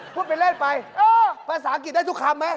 พูดไปเล่นไปภาษาอังกฤษได้ทุกคำไหม